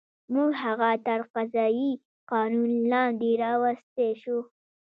موږ هغه تر قضایي قانون لاندې راوستی شو.